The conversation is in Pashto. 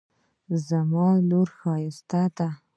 زما لور ښایسته ده